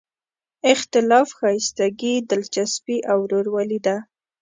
اختلاف ښایستګي، دلچسپي او ورورولي ده.